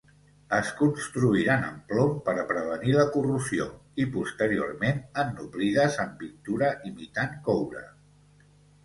Es construïren en plom per prevenir la corrosió, i posteriorment ennoblides amb pintura imitant coure.